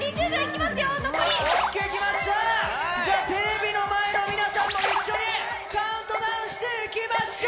テレビの前の皆さんも一緒にカウントダウンしていきましょう！